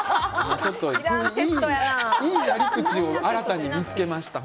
いいやり口を新たに見つけました。